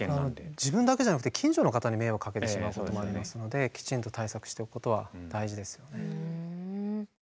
自分だけじゃなくて近所の方に迷惑かけてしまうこともありますのできちんと対策しておくことは大事ですよね。